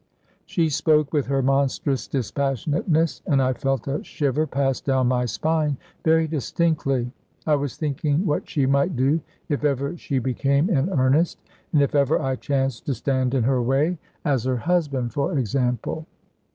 She spoke with her monstrous dispassionateness, and I felt a shiver pass down my spine, very distinctly. I was thinking what she might do if ever she became in earnest, and if ever I chanced to stand in her way as her husband, for example.